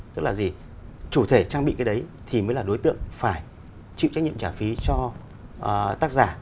tức là gì chủ thể trang bị cái đấy thì mới là đối tượng phải chịu trách nhiệm trả phí cho tác giả